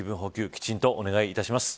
きちんとお願いします。